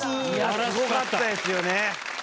スゴかったですよね。